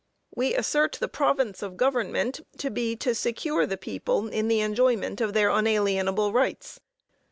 We assert the province of government to be to secure the people in the enjoyment of their unalienable rights.